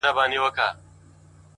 هوښیار انسان له تېروتنو زده کړه کوي،